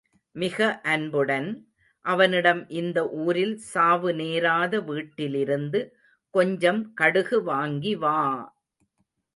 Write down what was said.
மிக அன்புடன், அவனிடம் இந்த ஊரில் சாவு நேராத வீட்டிலிருந்து கொஞ்சம் கடுகு வாங்கி வா!